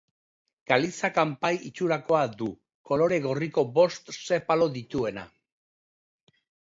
Kaliza kanpai itxurakoa du, kolore gorriko bost sepalo dituena.